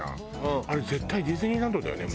あれ絶対ディズニーランドだよね